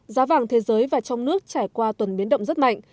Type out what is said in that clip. giá vàng thế giới và trong nước trải qua tuần biến động rất mạnh